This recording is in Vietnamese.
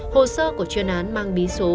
hồ sơ của chuyên án mang bí số